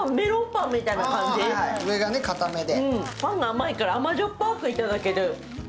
パンが甘いから、甘じょっぱく頂ける。